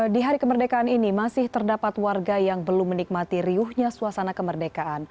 di hari kemerdekaan ini masih terdapat warga yang belum menikmati riuhnya suasana kemerdekaan